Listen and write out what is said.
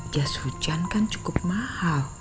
jas hujan kan cukup mahal